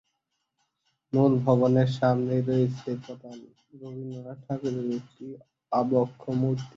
মূল ভবনের সামনেই রয়েছে রবীন্দ্রনাথ ঠাকুরের একটি আবক্ষ মূর্তি।